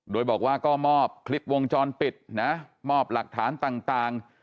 โดยบอกว่าก็มอบคลิปวงจรปิดนะมอบหลักฐานต่าง